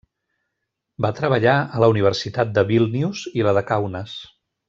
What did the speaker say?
Va treballar a la Universitat de Vílnius i la de Kaunas.